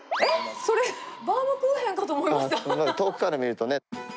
それ、遠くから見るとね。